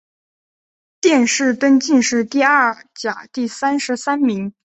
殿试登进士第二甲第三十三名。